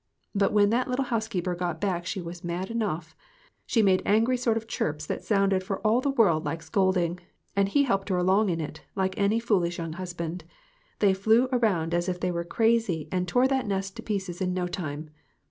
But when that little housekeeper got back she was mad enough ! She made angry sort of chirps that sounded for all the world like scolding, and he helped her along in it, like any foolish young husband. They flew around as if they were crazy, and tore that nest to pieces in no time.